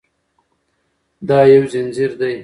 دا یو ځنځیر دی.